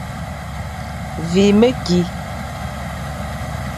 Vîkh mekî.